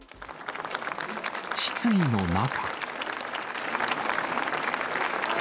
失意の中。